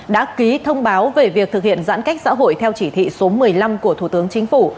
đã ký thông báo về việc thực hiện giãn cách xã hội theo chỉ thị số một mươi năm của thủ tướng chính phủ